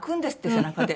背中で？